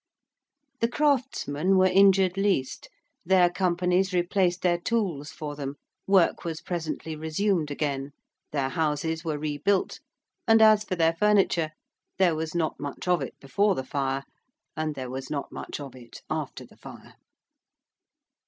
The craftsmen were injured least: their Companies replaced their tools for them: work was presently resumed again: their houses were rebuilt and, as for their furniture, there was not much of it before the fire and there was not much of it after the fire.